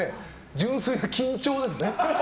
純粋な緊張ですね。